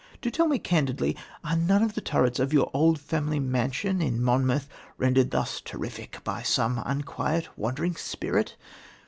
do tell me candidly, are none of the turrets of your old family mansion in Monmouth rendered thus terrific by some unquiet, wandering spirit?